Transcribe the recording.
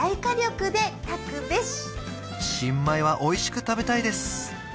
新米はおいしく食べたいです